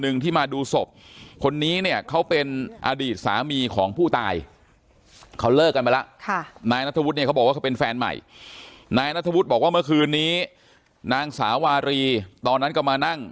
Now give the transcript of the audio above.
นัทธวุฒิบอกว่าเมื่อคืนนี้นางสาวารีตอนนั้นก็มานั่ง